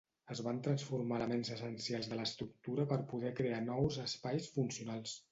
Es van transformar elements essencials de l'estructura per poder crear nous espais funcionals.